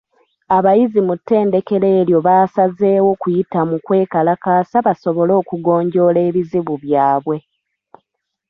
Abayizi mu ttendekero eryo baasazeewo kuyita mu kwekalakaasa basobole okugonjoola ebizibu byabwe.